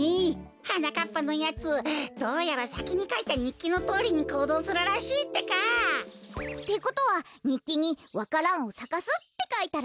はなかっぱのやつどうやらさきにかいたにっきのとおりにこうどうするらしいってか。ってことはにっきに「わか蘭をさかす」ってかいたら？